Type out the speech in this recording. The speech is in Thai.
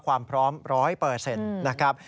ความพร้อม๑๐๐นะครับ